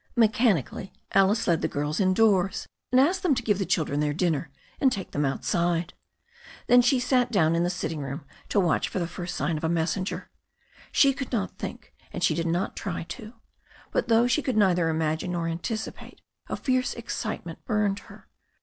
Mechanically Alice led the girls indoors and asked them to give the children their dinner and take them outside. Then she sat down in the sitting room to watch for the first sign of a messenger. She could not think and she did not try to. But though she could neither imagine nor an ticipate a fierce excitement burned her.